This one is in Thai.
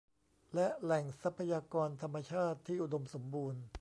และแหล่งทรัพยากรธรรมชาติที่อุดมสมบูรณ์